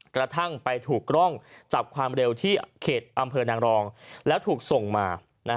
กระทั่งไปถูกกล้องจับความเร็วที่เขตอำเภอนางรองแล้วถูกส่งมา